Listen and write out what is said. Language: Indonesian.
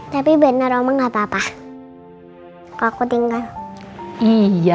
ma buap dua kali